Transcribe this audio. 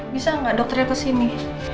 bisa gak dokternya kesini